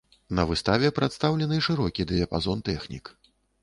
На выставе прадстаўлены шырокі дыяпазон тэхнік.